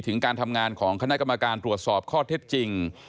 การทำงานของคณะกรรมการตรวจสอบข้อเท็จจริง